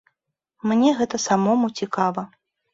Мне гэта самому цікава.